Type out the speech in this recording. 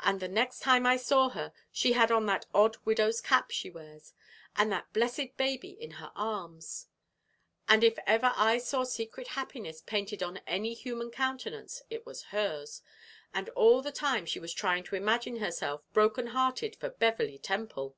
And the next time I saw her she had on that odd widow's cap she wears, and that blessed baby in her arms; and if ever I saw secret happiness painted on any human countenance it was hers; and all the time she was trying to imagine herself broken hearted for Beverley Temple."